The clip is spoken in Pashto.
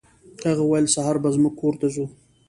هغه ویل سهار به زموږ کور ته ځو.